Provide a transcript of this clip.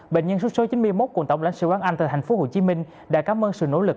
bệnh nhân số chín mươi một quận tổng lãnh sư quán anh tại tp hcm đã cảm ơn sự nỗ lực